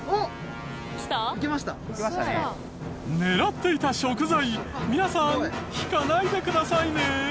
狙っていた食材皆さん引かないでくださいね。